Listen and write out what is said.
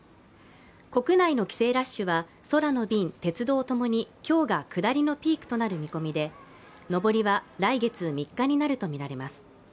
国内の帰省ラッシュは空の便、鉄道ともに今日が下りのピークとなる見込みで、上りは来月３日になるとみられます。